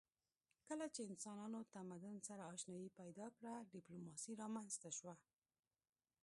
کله چې انسانانو تمدن سره آشنايي پیدا کړه ډیپلوماسي رامنځته شوه